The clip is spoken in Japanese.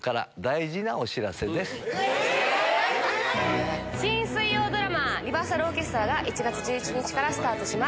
え⁉新水曜ドラマ『リバーサルオーケストラ』が１月１１日からスタートします。